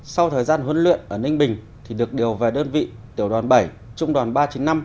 sau thời gian huấn luyện ở ninh bình thì được điều về đơn vị tiểu đoàn bảy trung đoàn ba trăm chín mươi năm